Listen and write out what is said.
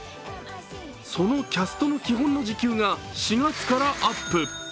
そのキャストの基本の時給が４月からアップ。